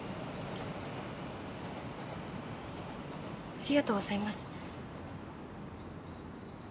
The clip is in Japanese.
ありがとうございます。